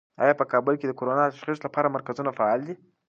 آیا په کابل کې د کرونا د تشخیص لپاره مرکزونه فعال دي؟